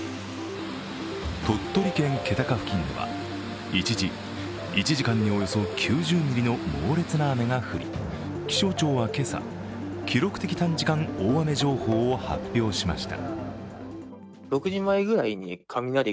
鳥取県気高付近では一時、１時間におよそ９０ミリの猛烈な雨が降り、気象庁は今朝、記録的短時間大雨情報を発表しました。